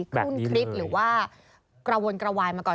ขึ้นคลิปหรือว่ากระวนกระวายมาก่อน